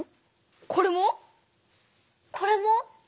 これも？これも？